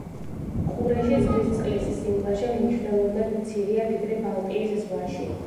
ყურეში ზღვის წყლის სიმლაშე მნიშვნელოვნად მცირეა, ვიდრე ბალტიის ზღვაში.